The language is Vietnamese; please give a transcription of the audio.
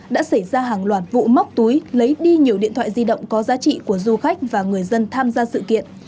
đã xảy ra hàng loạt vụ móc túi lấy đi nhiều điện thoại di động có giá trị của du khách và người dân tham gia sự kiện